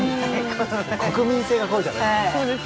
国民性がこうじゃないですか。